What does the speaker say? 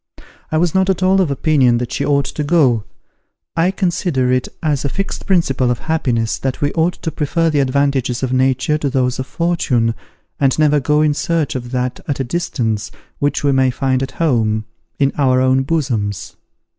I was not at all of opinion that she ought to go. I consider it as a fixed principle of happiness, that we ought to prefer the advantages of nature to those of fortune, and never go in search of that at a distance, which we may find at home, in our own bosoms.